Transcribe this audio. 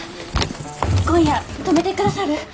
今夜泊めて下さる？